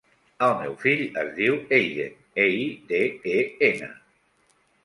El meu fill es diu Eiden: e, i, de, e, ena.